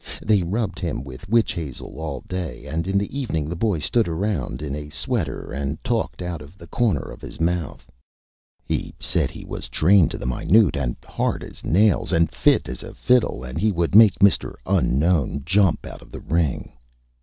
They rubbed him with Witch Hazel all day, and in the Evening the Boy stood around in a Sweater and Talked out of the corner of his Mouth. He said he was Trained to the Minute, as Hard as Nails and Fit as a Fiddle, and he would make Mr. Unknown jump out of the Ring.